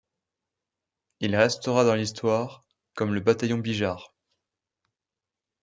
Il restera dans l'Histoire comme le “Bataillon Bigeard”.